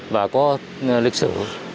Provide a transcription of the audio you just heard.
và có lịch sử